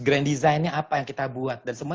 grand designnya apa yang kita buat dan semua